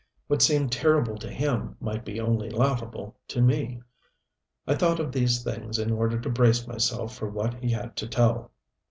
What seemed terrible to him might be only laughable to me. I thought of these things in order to brace myself for what he had to tell.